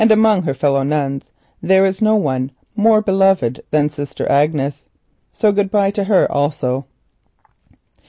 Among her sister nuns there is no one more beloved than Sister Agnes. So good bye to her also.